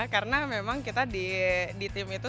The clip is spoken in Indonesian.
karena memang kita di tim itu